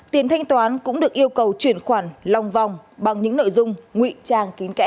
tiền thanh toán cũng được yêu cầu chuyển khoản lòng vòng bằng những nội dung ngụy trang kín kẽ